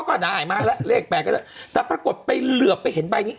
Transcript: กล่าวไหนไหมเลข๘ปรากฏไปเหลือบไปเห็นใบนี้